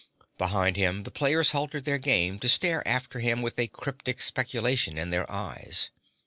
Behind him the players halted their game to stare after him with a cryptic speculation in their eyes.